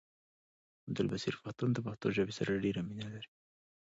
عبدالبصير پښتون د پښتو ژبې سره ډيره مينه لري